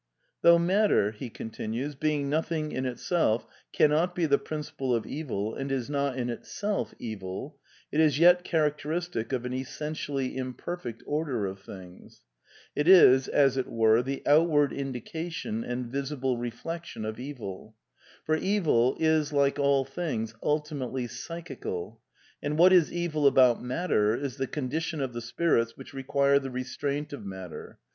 Ihid. p. 361.) "... though Matter, being nothing in itself, cannot be the principle of Evil, and is not in itself evil, it is yet character *\ 46lic of an essentially imperfect order of things: it is, as it were, the outward indication and visible reflection of EviL Vnr Y^Y^^}^ IJHfi P^^ ^^'py^i ^^1^\TYiat ely ps ychical^ and what is evil aboii^'jsiatter is the condition of tlie spirits which require the restraint of Matter